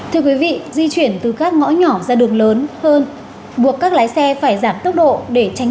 thưa quý vị di chuyển từ các ngõ nhỏ ra đường lớn hơn buộc các lái xe phải giảm tốc độ để tránh